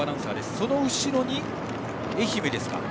その後ろに愛媛ですか。